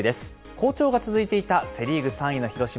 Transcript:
好調が続いていたセ・リーグ３位の広島。